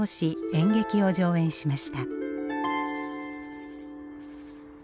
演劇を上演しました。